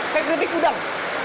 kayak keripik udang